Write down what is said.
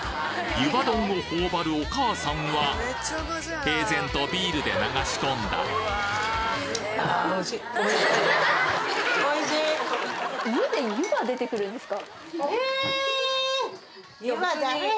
湯葉丼を頬張るお母さんは平然とビールで流し込んだまろやかなんですか。